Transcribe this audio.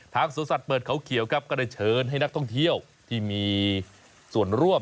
สวนสัตว์เปิดเขาเขียวครับก็ได้เชิญให้นักท่องเที่ยวที่มีส่วนร่วม